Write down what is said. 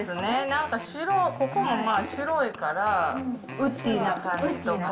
なんか白、ここもまあ、白いから、ウッディな感じとか。